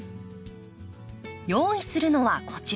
用意するのはこちら。